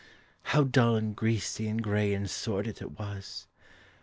How dull and greasy and grey and sordid it was!